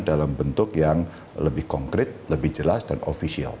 dalam bentuk yang lebih konkret lebih jelas dan ofisial